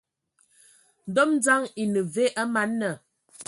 Ndom dzaŋ ene ve a man nna?